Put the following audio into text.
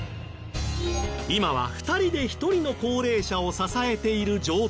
今は２人で１人の高齢者を支えている状態。